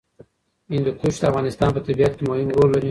هندوکش د افغانستان په طبیعت کې مهم رول لري.